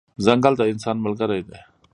ځنګل د انسان ملګری دی.